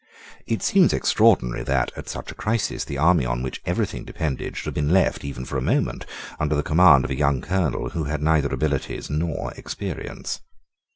It seems extraordinary that, at such a crisis, the army on which every thing depended should have been left, even for a moment, under the command of a young Colonel who had neither abilities nor experience.